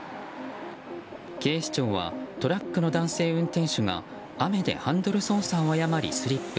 警視庁はトラックの男性運転手が雨でハンドル操作を誤りスリップ。